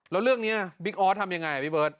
แล้วเรื่องนี้บิ๊กออสทำยังไงพี่เบิร์ต